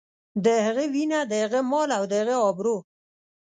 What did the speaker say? د هغه وينه، د هغه مال او د هغه ابرو.